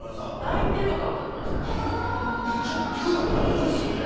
直球な歌多いっすよね。